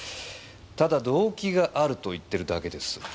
ただ動機があると言ってるだけです。